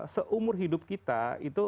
seumur hidup kita itu